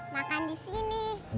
makan di sini